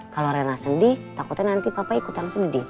kalau rina sedih takutnya nanti papa ikutan sedih